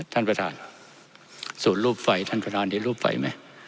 ท่านประธานส่วนรูปไฟท่านประธานได้รูปไฟไหม